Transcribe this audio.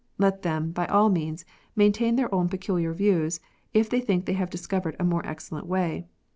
Let them, by all means, maintain their own peculiar views, if they think they have discovered a " more excellent way."